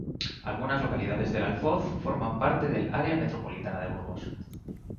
Algunas localidades del Alfoz forman parte del área metropolitana de Burgos.